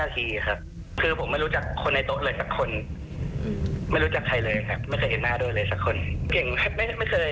ถ้าเกิดมีก็คงจะบอกผมคนแรกค่ะ